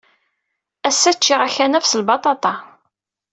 Ass-a, ččiɣ akanaf s lbaṭaṭa.